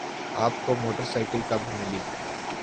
آپ کو motorcycle کب ملی؟